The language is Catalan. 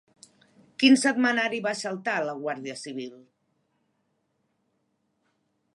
Quin setmanari va assaltar la Guàrdia Civil?